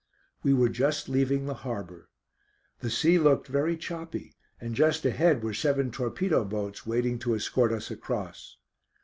We were just leaving the harbour. The sea looked very choppy, and just ahead were seven torpedo boats waiting to escort us across.